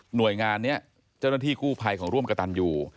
หน่วยงานนี้เจ้าหน้าที่กู้ภัยของร่วมกระตันอยู่